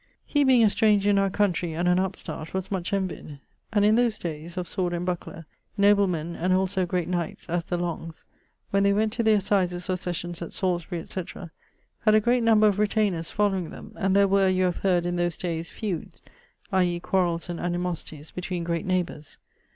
He being a stranger in our country, and an upstart, was much envyed. And in those dayes (of sword and buckler), noblemen (and also great knights, as the Longs), when they went to the assizes or sessions at Salisbury, etc., had a great number of retainers following them; and there were (you have heard), in those dayes, feudes (i.e. quarrells and animosities) between great neighbours.